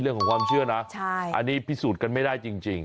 เรื่องของความเชื่อนะอันนี้พิสูจน์กันไม่ได้จริง